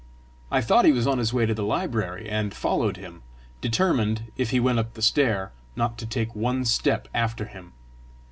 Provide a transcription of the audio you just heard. I thought he was on his way to the library, and followed him, determined, if he went up the stair, not to take one step after him.